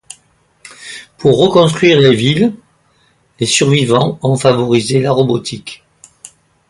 Pour reconstruire les villes, les survivants ont favorisé la robotique.